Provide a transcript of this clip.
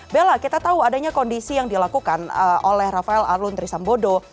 bella kita tahu adanya kondisi yang dilakukan oleh rafael alun trisambodo